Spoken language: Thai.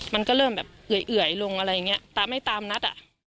มันก็เริ่มแบบเอื่อยลงอะไรอย่างเงี้ยตามไม่ตามนัดอ่ะ